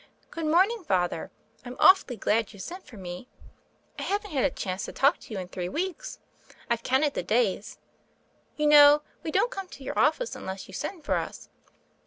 "Good morning. Father: Fm awfully glad you sent for me. I haven't had a chance to talk to you in three weeks: Fve counted the days. You know, we don't come to your office unless you send for us.